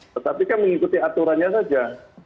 tetapi kan mengikuti aturannya saja